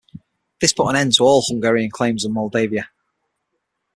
This put an end to all Hungarian claims on Moldavia.